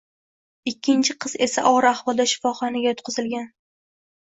Ikkinchi qiz esa ogʻir ahvolda shifoxonaga yotqizilgan.